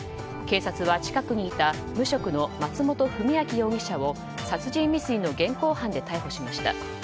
警察は近くにいた無職の松本文明容疑者を殺人未遂の現行犯で逮捕しました。